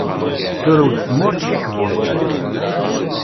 Turew-d tmurt ciḥbuḍ.